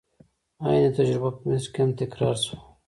عین تجربه په مصر کې هم تکرار شوه.